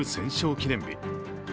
記念日。